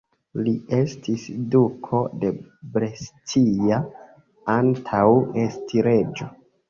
Li estis duko de Brescia antaŭ esti reĝo.